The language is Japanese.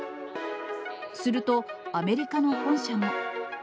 すると、アメリカの本社も。